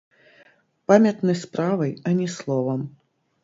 Памятны справай, а не словам.